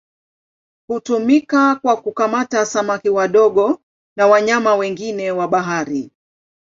Hutumika kwa kukamata samaki wadogo na wanyama wengine wa bahari.